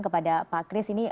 kepada pak kris ini